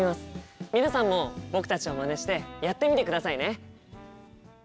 皆さんも僕たちをまねしてやってみてくださいね。